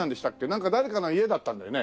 なんか誰かの家だったんだよね？